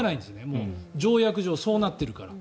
もう条約上そうなっているから。